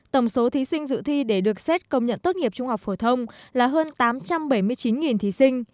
tổng số thí sinh dự thi để được xét công nhận tốt nghiệp trung học phổ thông là hơn tám trăm bảy mươi chín thí sinh